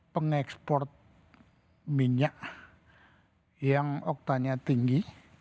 pengekspor minyak yang oktanya tinggi